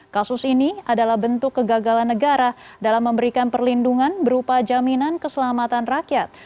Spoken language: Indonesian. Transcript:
kasus ini adalah bentuk kegagalan negara dalam memberikan perlindungan berupa jaminan keselamatan rakyat